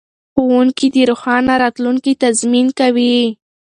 ښوونکي د روښانه راتلونکي تضمین کوي.